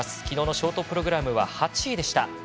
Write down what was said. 昨日のショートプログラムは８位でした。